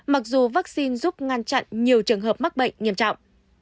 mặc dù vaccine giúp ngăn chặn nhiều trường hợp mắc bệnh nghiêm trọng